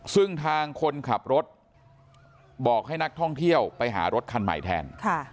ซึ่งทางคนขับรถบอกให้นักท่องเที่ยวไปหารถคันใหม่แทน